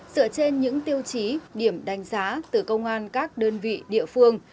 dựa trên những tiêu chí điểm đánh giá từ công an các đơn vị địa phương